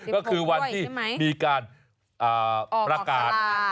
ก็คือวันที่มีการประกาศ